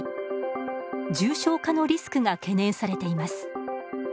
重症化のリスクが懸念されています。